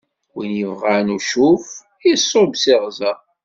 Win ibɣan ucuf, iṣubb s iɣzeṛ!